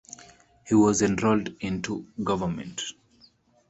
He was enrolled into Govt.